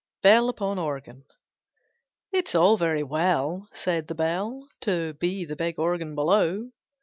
'BELL UPON ORGAN. It's all very well, Said the Bell, To be the big Organ below!